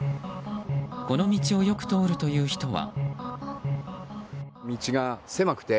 この道をよく通るという人は。